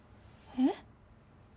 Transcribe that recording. えっ？